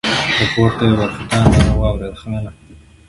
له پورته يې وارخطا ناره واورېده: خانه!